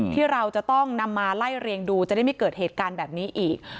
ที่เราจะต้องนำมาไล่เรียงดูจะได้ไม่เกิดเหตุการณ์แบบนี้อีก